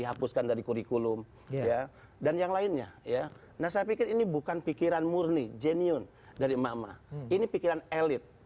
ya dan yang lainnya ya nah saya pikir ini bukan pikiran murni jenion dari mama ini pikiran elit